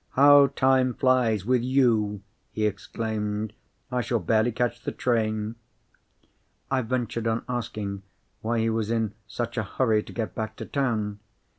"How time flies with you!" he exclaimed. "I shall barely catch the train." I ventured on asking why he was in such a hurry to get back to town.